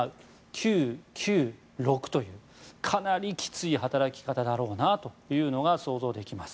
９９６というかなりきつい働き方だろうなというのが想像できます。